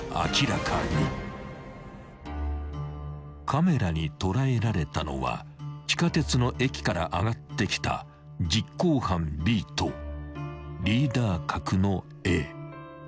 ［カメラに捉えられたのは地下鉄の駅から上がってきた実行犯Ｂとリーダー格のＡ］